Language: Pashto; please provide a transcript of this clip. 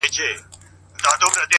زه تږی د کلونو یم د خُم څنګ ته درځمه -